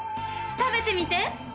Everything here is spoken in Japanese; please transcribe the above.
食べてみて！